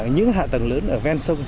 những hạ tầng lớn ở ven sông